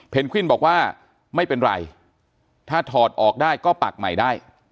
วินบอกว่าไม่เป็นไรถ้าถอดออกได้ก็ปักใหม่ได้